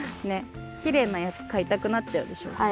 ねっきれいなやつかいたくなっちゃうでしょ。